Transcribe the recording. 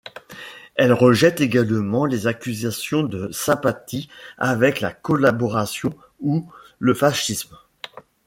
Elle rejette également les accusations de sympathie avec la Collaboration ou le fascisme.